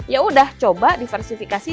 yaudah coba diversifikasi